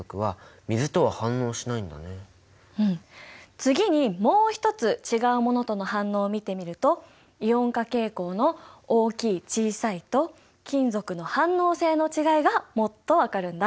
次にもう一つ違うものとの反応を見てみるとイオン化傾向の大きい小さいと金属の反応性の違いがもっと分かるんだ。